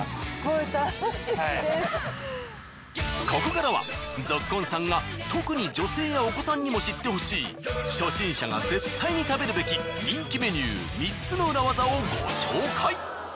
ここからはぞっこんさんが特に女性やお子さんにも知ってほしい初心者が絶対に食べるべき人気メニュー３つの裏ワザをご紹介！